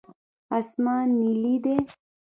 اسمان نیلي دی.